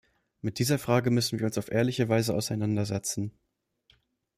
Mit dieser Frage müssen wir uns auf ehrliche Weise auseinandersetzen.